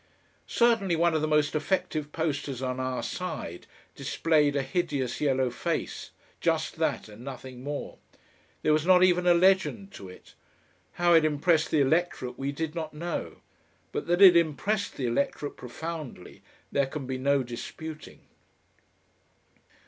Certainly one of the most effective posters on our side displayed a hideous yellow face, just that and nothing more. There was not even a legend to it. How it impressed the electorate we did not know, but that it impressed the electorate profoundly there can be no disputing.